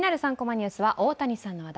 ニュースは大谷さんの話題。